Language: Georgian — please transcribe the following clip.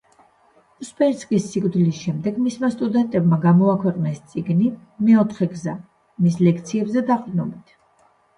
უსპენსკის სიკვდილის შემდეგ კი მისმა სტუდენტებმა გამოაქვეყნეს წიგნი „მეოთხე გზა“, მის ლექციებზე დაყრდნობით.